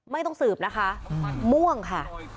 ไม่ต้องสืบนะคะม่วงค่ะ